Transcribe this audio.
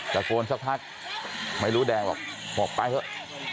ตะโกนสักพักไม่รู้แดงบอกบอกไปเถอะ